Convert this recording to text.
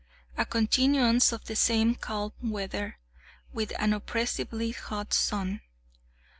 A continuance of the same calm weather, with an oppressively hot sun.